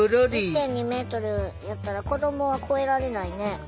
１．２メートルやったら子どもは越えられないね。